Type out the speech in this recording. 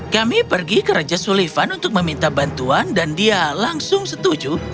kami pergi ke raja sulivan untuk meminta bantuan dan dia langsung setuju